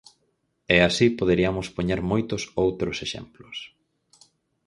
E así poderiamos poñer moitos outros exemplos.